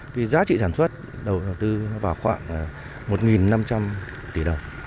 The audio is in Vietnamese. vì giá trị sản xuất đầu đầu tư vào khoảng một năm trăm linh tỷ đồng